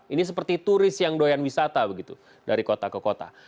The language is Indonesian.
ini seperti turis yang doyan wisata begitu dari kota ke kota